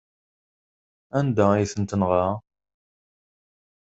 Anda ay ten-tenɣa?